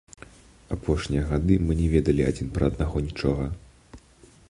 Апошнія гады мы не ведалі адзін пра аднаго нічога.